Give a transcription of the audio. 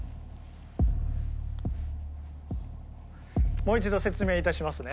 もう一度説明いたしますね。